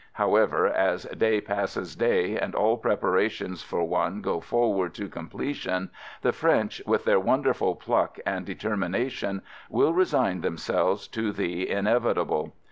However, as day passes day, and all preparations for one go forward to completion, the French, with their wonderful pluck and determi nation, will resign themselves to the inevi FIELD SERVICE 123 table.